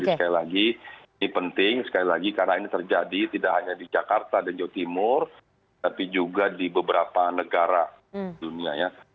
jadi sekali lagi ini penting sekali lagi karena ini terjadi tidak hanya di jakarta dan jawa timur tapi juga di beberapa negara dunia ya